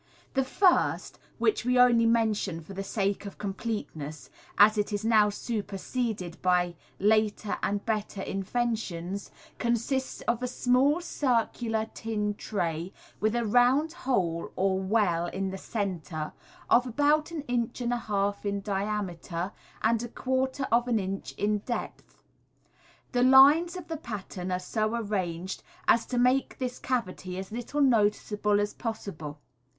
The first, which we only mention for the sake of completeness, as it is now superseded by later and better inventions, consists of a small circular tin tray, with a round hole or well in the centre, of about an inch and a half in diameter and a quarter of an inch in depth. The lines of the pattern are so arranged as to make this cavity as little noticeable as possible.